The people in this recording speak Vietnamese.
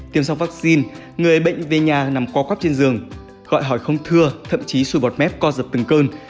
tiêm xong vaccine người bệnh về nhà nằm co cóp trên giường gọi hỏi không thưa thậm chí sùi bọt mép co dập từng cơn